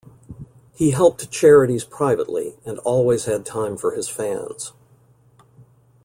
He helped charities privately, and always had time for his fans.